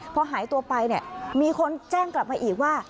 พอหายตัวไปเนี่ยมีคนแจ้งกลับมาอีกว่า